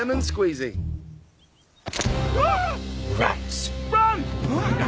うわ！